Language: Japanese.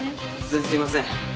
突然すいません。